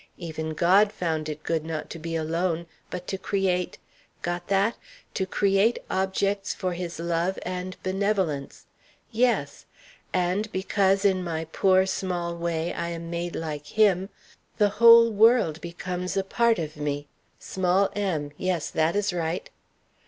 Even God found it good not to be alone, but to create' got that? 'to create objects for His love and benevolence.' Yes 'And because in my poor, small way I am made like Him, the whole world becomes a part of me' small m, yes, that is right!"